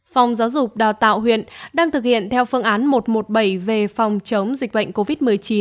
phòng giáo dục đào tạo huyện đang thực hiện theo phương án một trăm một mươi bảy về phòng chống dịch bệnh covid một mươi chín